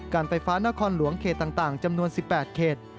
การไฟฟ้านครหลวงเขตต่างจำนวน๑๘เขต